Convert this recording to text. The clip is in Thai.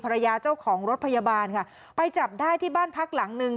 เจ้าของรถพยาบาลค่ะไปจับได้ที่บ้านพักหลังหนึ่ง